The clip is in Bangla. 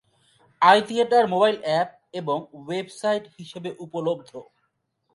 আই থিয়েটার মোবাইল অ্যাপ এবং ওয়েবসাইট হিসেবে উপলব্ধ।